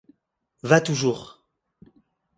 Va toujours!